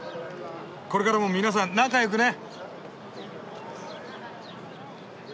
これからも皆さん仲よくね！